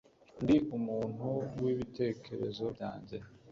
Ndi umuntu wibitekerezo byanjye